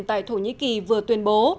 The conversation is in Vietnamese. tại thổ nhĩ kỳ vừa tuyên bố